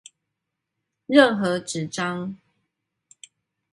任何紙張